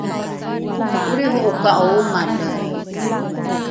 olriho’oka’o omale?